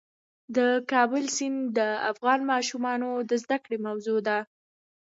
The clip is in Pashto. د کابل سیند د افغان ماشومانو د زده کړې موضوع ده.